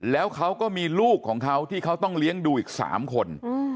แล้วเขาก็มีลูกของเขาที่เขาต้องเลี้ยงดูอีก๓คน